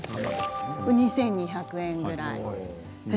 ２２００円ぐらい。